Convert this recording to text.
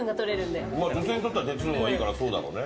女性にとっては鉄分がいいからそうだろうね。